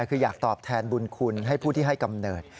คืออยากตอบแทนบุญคุณให้ผู้ที่ให้กำเนิด